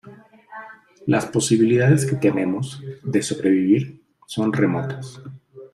las posibilidades que tenemos de sobrevivir son remotas